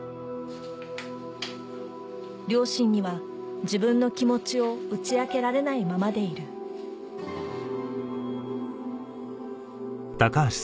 両親には自分の気持ちを打ち明けられないままでいるそういう。